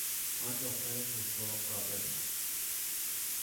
آن دختر موسرخ را بپا!